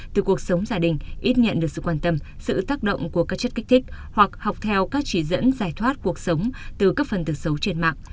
từ cuộc sống gia đình ít nhận được sự quan tâm sự tác động của các chất kích thích hoặc học theo các chỉ dẫn giải thoát cuộc sống từ các phần từ xấu trên mạng